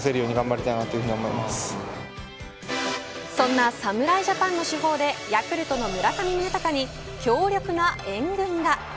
そんな侍ジャパンの主砲でヤクルトの村上宗隆に強力な援軍が。